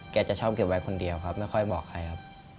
จะชอบเก็บไว้คนเดียวครับไม่ค่อยบอกใครครับ